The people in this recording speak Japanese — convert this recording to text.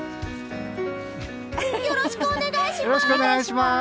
よろしくお願いします！